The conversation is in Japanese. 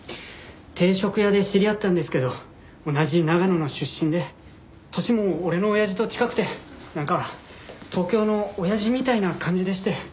定食屋で知り合ったんですけど同じ長野の出身で年も俺の親父と近くてなんか東京の親父みたいな感じでして。